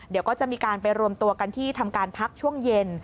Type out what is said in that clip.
เดี๋ยวก็จะมีการไปรวมตัวกันที่ทำการพักช่วงเย็น